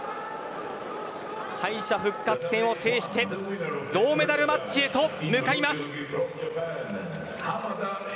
敗者復活戦を制して銅メダルマッチへと向かいます。